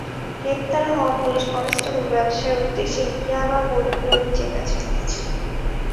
গ্রেপ্তার হওয়া police constable ব্যবসার উদ্দেশ্যে ইয়াবা বড়িগুলো নিজের কাছে রেখেছিলেন।